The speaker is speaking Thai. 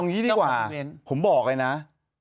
เอาอย่างนี้ดีกว่าผมบอกไอ้น้า